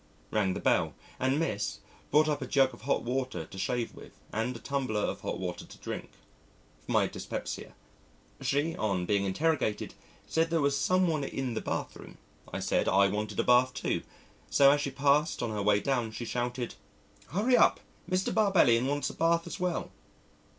Rang the bell, and Miss brought up a jug of hot water to shave with, and a tumbler of hot water to drink (for my dyspepsia). She, on being interrogated, said there was some one in the bath room. I said I wanted a bath too, so as she passed on her way down she shouted, "Hurry up, Mr. Barbellion wants a bath as well."